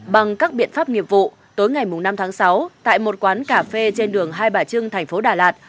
bằng các biện pháp nghiệp vụ tối ngày năm tháng sáu tại một quán cà phê trên đường hai bà trưng thành phố đà lạt